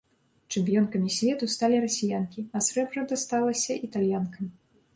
Чэмпіёнкамі свету сталі расіянкі, а срэбра дасталася італьянкам.